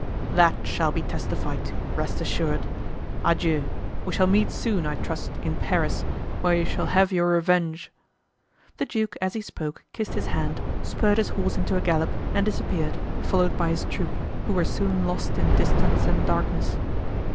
"That shall be testified to, rest assured. Adieu! we shall meet soon, I trust, in Paris, where you shall have your revenge." The duke, as he spoke, kissed his hand, spurred his horse into a gallop and disappeared, followed by his troop, who were soon lost in distance and darkness.